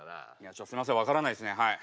ちょっとすいません分からないですねはい。